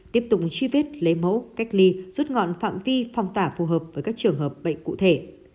tiếp tục truy vết lấy mẫu cách ly rút ngọn phạm vi phong tả phù hợp với các trường hợp bệnh cụ thể